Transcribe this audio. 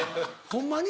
ホンマに？